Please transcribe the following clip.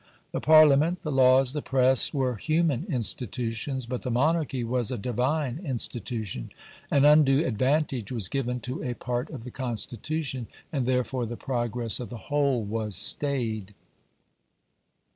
The Parliament, the laws, the press were human institutions; but the Monarchy was a Divine institution. An undue advantage was given to a part of the Constitution, and therefore the progress of the whole was stayed.